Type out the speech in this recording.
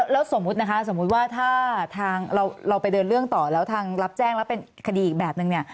แล้วสมมุติว่าถ้าเราไปเดินเรื่องต่อแล้วทางรับแจ้งรับเป็นคดีอีกแบบหนึ่ง